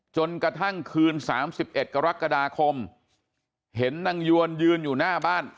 จนกระทั่งคืน๓๑กรกฎาคมเห็นนางยวนยืนอยู่หน้าบ้าน